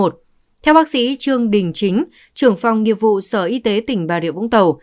theo bác sĩ trương đình chính trưởng phòng nghiệp vụ sở y tế tỉnh bà rịa vũng tàu